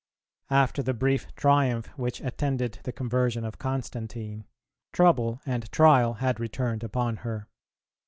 After the brief triumph which attended the conversion of Constantine, trouble and trial had returned upon her.